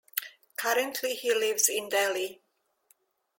Currently he lives in Delhi.